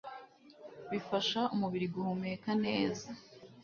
bifasha umubiri guhumeka neza